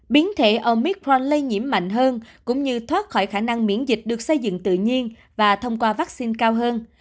biến thể omicron lây nhiễm mạnh hơn cũng như thoát khỏi khả năng miễn dịch được xây dựng tự nhiên và thông qua vaccine cao hơn